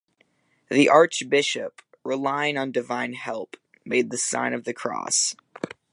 The archbishop, relying on divine help, made the sign of the cross.